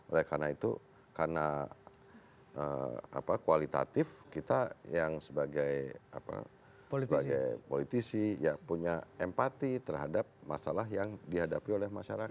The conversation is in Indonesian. oleh karena itu karena kualitatif kita yang sebagai politisi ya punya empati terhadap masalah yang dihadapi oleh masyarakat